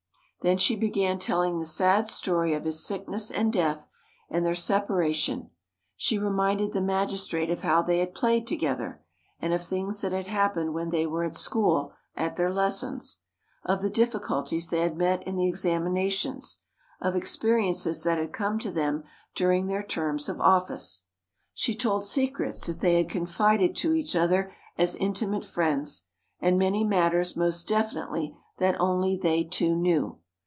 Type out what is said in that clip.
Then she began telling the sad story of his sickness and death and their separation. She reminded the magistrate of how they had played together, and of things that had happened when they were at school at their lessons; of the difficulties they had met in the examinations; of experiences that had come to them during their terms of office. She told secrets that they had confided to each other as intimate friends, and many matters most definitely that only they two knew.